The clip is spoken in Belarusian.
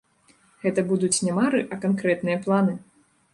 Гэта будуць не мары, а канкрэтныя планы.